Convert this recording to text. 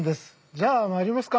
じゃあ参りますか。